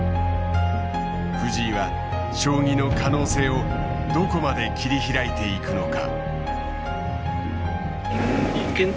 藤井は将棋の可能性をどこまで切り開いていくのか。